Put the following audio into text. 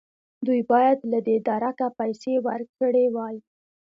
دوی باید له دې درکه پیسې ورکړې وای.